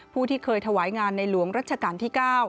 ผู้ที่เคยถวายงานในหลวงรัชกาลที่๙